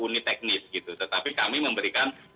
unit teknis gitu tetapi kami memberikan